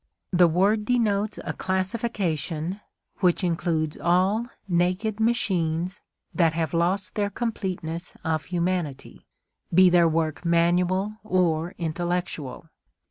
The word denotes a classification which includes all naked machines that have lost their completeness of humanity, be their work manual or intellectual.